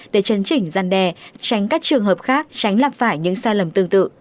để chấn chỉnh gian đe tránh các trường hợp khác tránh lạp phải những sai lầm tương tự